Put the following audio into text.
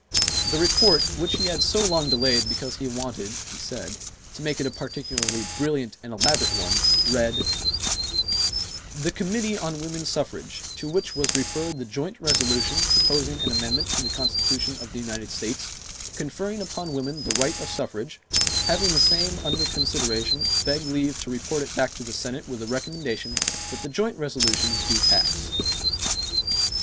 The Report, which he had so long delayed because he wanted [he said] to make it a particularly brilliant and elaborate one, read: "The Committee on Woman Suffrage, to which was referred the joint resolution proposing an amendment to the Constitution of the United States, conferring upon women the right of suffrage, having the same under consideration, beg leave to report it back to the Senate with the recommendation that the joint resolution do pass."